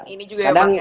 ini juga emang ya